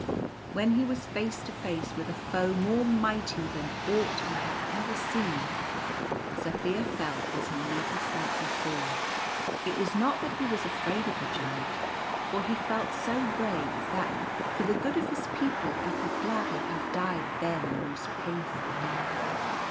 When he was face to face with a foe more mighty than aught he had ever seen, Zaphir felt as he never felt before. It was not that he was afraid of the Giant, for he felt so brave that, for the good of his people, he could gladly have died then the most painful death.